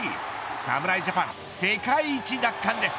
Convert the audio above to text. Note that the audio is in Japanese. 侍ジャパン、世界一奪還です。